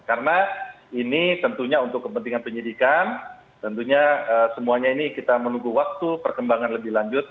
karena ini tentunya untuk kepentingan penyedihkan tentunya semuanya ini kita menunggu waktu perkembangan lebih lanjut